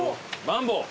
マンボウ。